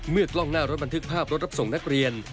กล้องหน้ารถบันทึกภาพรถรับส่งนักเรียน